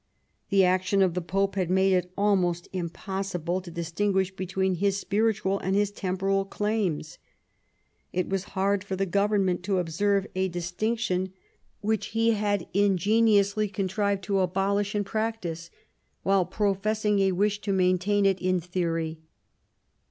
The action of the Pope had made it almost impossible to distinguish between his spiritual and his temporal claims. It was hard for the government to observe a distinction which he had ingeniously contrived to abolish in practice, while professing a wish to maintain it in theory.